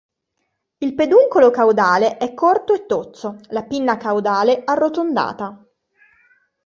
Il peduncolo caudale è corto e tozzo, la pinna caudale arrotondata.